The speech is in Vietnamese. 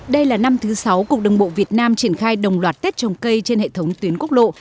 đây là năm thứ sáu cục đồng bộ việt nam triển khai đồng loạt tết trồng cây trên hệ thống tuyến quốc lộ